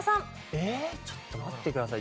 えーっちょっと待ってください。